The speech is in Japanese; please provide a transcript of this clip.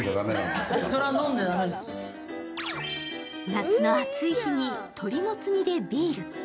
夏の暑い日に鳥もつ煮でビール。